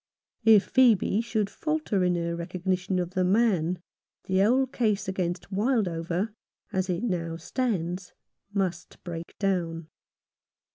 If Phcebe should falter in her recognition of the man, the whole case against Wildover, as it now stands, must break down.